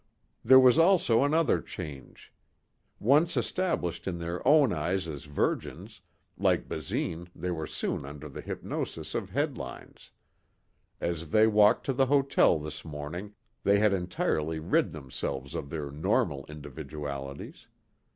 There was also another change. Once established in their own eyes as Virgins, like Basine they were soon under the hypnosis of headlines. As they walked to the hotel this morning they had entirely rid themselves of their normal individualities.